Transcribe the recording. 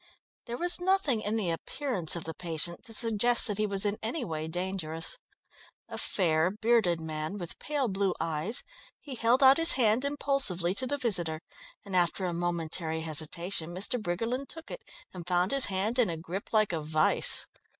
There was nothing in the appearance of the patient to suggest that he was in any way dangerous. A fair, bearded man, with pale blue eyes, he held out his hand impulsively to the visitor, and after a momentary hesitation, Mr. Briggerland took it and found his hand in a grip like a vice.